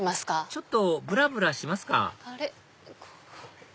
ちょっとぶらぶらしますかあれ？